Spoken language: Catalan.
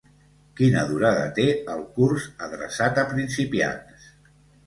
Quina durada té el curs adreçat a principiants?